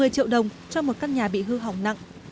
một mươi triệu đồng cho một căn nhà bị hư hỏng nặng